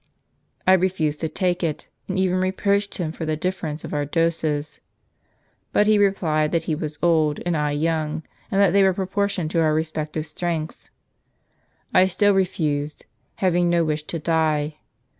" I refused to take it, and even reproached him for the difference of our doses ; but he replied that he was old, and I young; and that they were proportioned to our respective strengths. I still refused, having no wish to die.